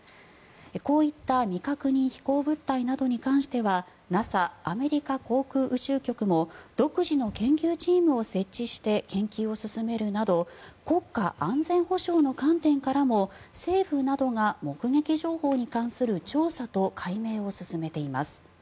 こういった未確認飛行物体などに関してはＮＡＳＡ・アメリカ航空宇宙局も独自の研究チームを設置して研究を進めるなど国家安全保障の観点からも政府などが目撃情報などに関する調査と解明を進めています。